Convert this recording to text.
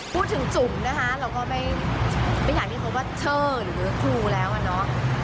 พูดถึงจุ๋มนะคะเราก็ไม่อยากให้เขาว่าเชอร์หรือครูแล้วอะเนาะ